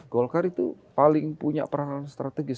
golkar itu paling punya peranan strategis